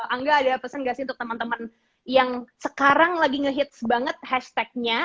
angga ada pesan gak sih untuk teman teman yang sekarang lagi ngehits banget hashtagnya